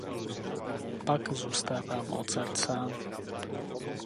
Pak zůstává Mozart sám.